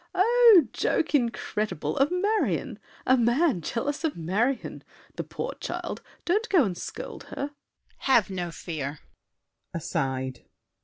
Oh, joke incredible!—of Marion! A man jealous of Marion! The poor child! Don't go and scold her! DIDIER. Have no fear. [Aside.